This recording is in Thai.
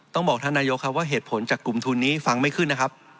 ต้องบอกท่านนายกว่าเหตุผลจากกลุ่มทุนนี้ฟังไม่ขึ้น